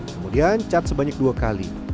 kemudian cat sebanyak dua kali